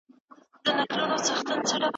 مطبوعات د حکومت په روڼتيا کي څه رول لري؟